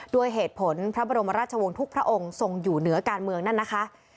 ด้วยเหตุผลพระบรมราชวงศ์ทุกพระองค์ทรงอยู่เหนือการเมืองนั่นนะคะ